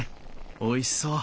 おいしそう。